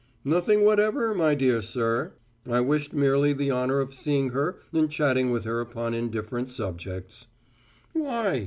"Nothing whatever, my dear sir. I wished merely the honour of seeing her and chatting with her upon indifferent subjects." "Why?"